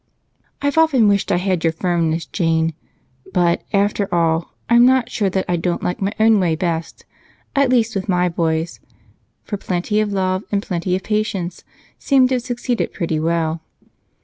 "I've often wished I had your firmness, Jane but after all, I'm not sure that I don't like my own way best, at least with my boys, for plenty of love, and plenty of patience, seem to have succeeded pretty well."